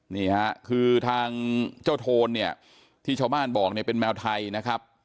นี่ค่ะคือทางเจ้าโทนเนี่ยที่ชาวบ้านบอกเนี่ยเป็นแมวไทยนะครับ